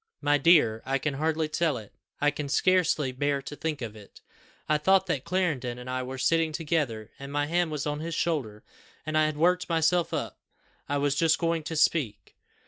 My dear, I can hardly tell it; I can scarcely bear to think of it. I thought that Clarendon and I were sitting together, and my hand was on his shoulder; and I had worked myself up I was just going to speak.